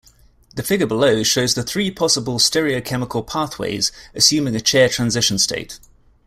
The figure below shows the three possible stereochemical pathways, assuming a chair transition state.